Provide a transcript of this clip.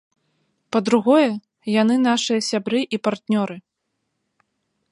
Па-другое, яны нашыя сябры і партнёры.